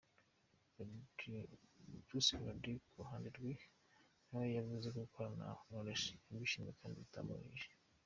Bruce Melody ku ruhande rwe, nawe yavuze ko gukorana na Knowless yabyishimiye kandi bitamuruhije.